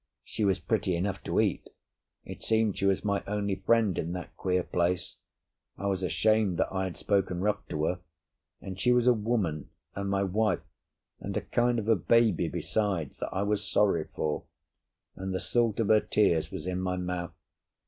She was pretty enough to eat; it seemed she was my only friend in that queer place; I was ashamed that I had spoken rough to her: and she was a woman, and my wife, and a kind of a baby besides that I was sorry for; and the salt of her tears was in my mouth.